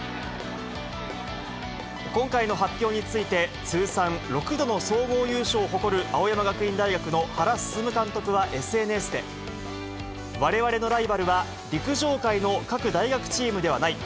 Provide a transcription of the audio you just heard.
今回の発表について、通算６度の総合優勝を誇る青山学院大学の原晋監督はＳＮＳで、われわれのライバルは、陸上界の各大学チームではない。